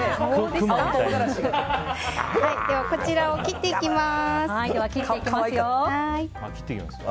こちらを切っていきます。